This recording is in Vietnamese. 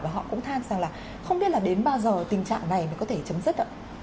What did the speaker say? và họ cũng than rằng là không biết là đến bao giờ tình trạng này mới có thể chấm dứt ạ